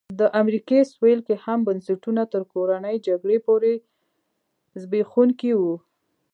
د امریکا سوېل کې هم بنسټونه تر کورنۍ جګړې پورې زبېښونکي وو.